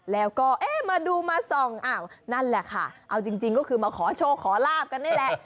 แล้วก็เอ๊ะมาดูมาส่องอ้าวนั่นแหละค่ะเอาจริงก็คือมาขอโชคขอลาบกันนี่แหละ